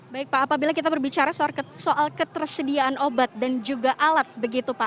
baik pak apabila kita berbicara soal ketersediaan obat dan juga alat begitu pak